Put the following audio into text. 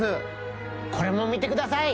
これも見てください。